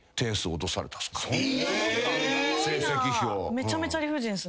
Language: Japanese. めちゃめちゃ理不尽っすね。